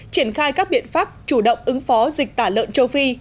triển khai các biện pháp chủ động ứng phó dịch tả lợn châu phi